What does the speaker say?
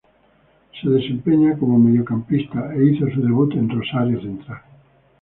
Se desempeña como mediocampista e hizo su debut en Rosario Central.